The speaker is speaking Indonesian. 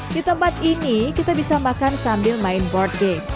di tempat ini kita bisa makan sambil main board game